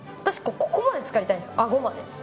ここまでつかりたいんです、あごまで。